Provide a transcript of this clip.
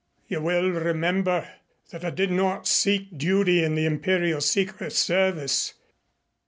"You will remember that I did not seek duty in the Imperial Secret Service.